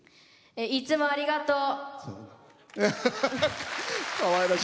いつもありがとう。